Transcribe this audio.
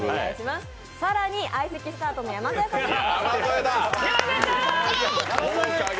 更に相席スタートの山添さんです。